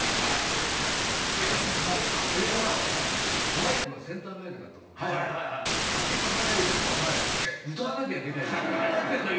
マイクがセンターマイクだったもんですから抱きかかえられても歌わなきゃいけないじゃない？